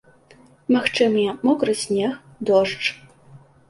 Магчымыя мокры снег, дождж.